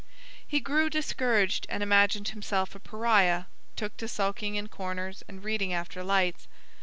He grew discouraged and imagined himself a pariah; took to sulking in corners and reading after lights.